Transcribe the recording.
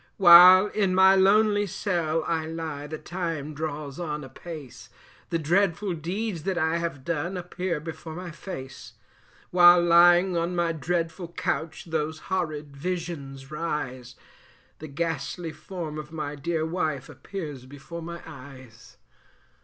While in my lonely cell I lie, the time draws on apace, The dreadful deeds that I have done appear before my face; While lying on my dreadful couch those horrid visions rise, The ghastly form of my dear wife appears before my eyes.